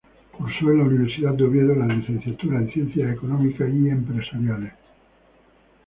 Cursó en la Universidad de Oviedo la licenciatura en Ciencias Económicas y Empresariales.